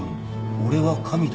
俺は神だ。